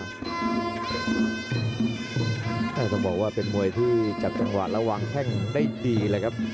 และให้ต้องบอกว่าเป็นมวยที่จับจังหวะเราางแข่งได้ดีครับ